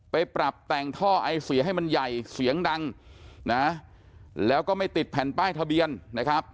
ไปปรับแต่งท่อไอเสียให้มันใหญ่เสียงดังนะแล้วก็ไม่ติดแผ่นป้ายทะเบียนนะครับ